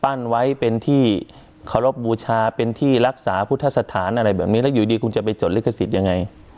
ปั้นไว้เป็นที่เคารพบูชาเป็นที่รักษาพุทธสถานอะไรอย่างนี้แล้วอยู่ดีคุณจะไปจดฤคษิตยังไง